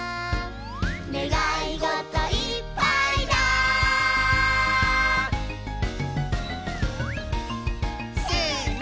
「ねがいごといっぱいだ」せの！